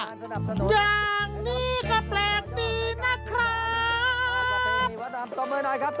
อย่างนี้ก็แปลกดีนะครับ